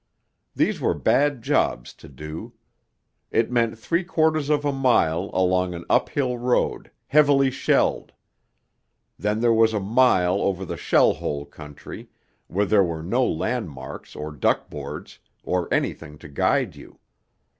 These were bad jobs to do. It meant three quarters of a mile along an uphill road, heavily shelled; then there was a mile over the shell hole country, where there were no landmarks or duckboards, or anything to guide you.